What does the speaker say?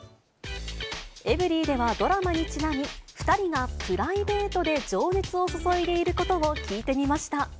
エブリィではドラマにちなみ、２人がプライベートで情熱を注いでいることを聞いてみました。